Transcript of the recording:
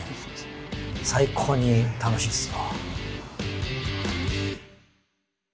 最高に楽しいっすよ。